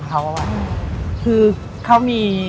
ใช่